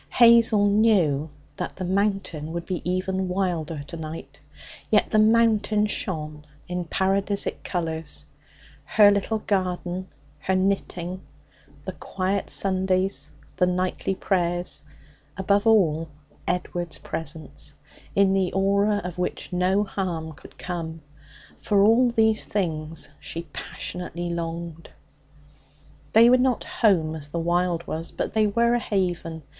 Hazel knew that the Mountain would be even wilder to night. Yet the Mountain shone in paradisic colours her little garden; her knitting; the quiet Sundays; the nightly prayers; above all, Edward's presence, in the aura of which no harm could come for all these things she passionately longed. They were not home as the wild was, but they were a haven.